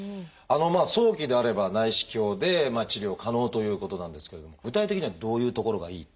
早期であれば内視鏡で治療可能ということなんですけれども具体的にはどういうところがいいっていうのはありますか？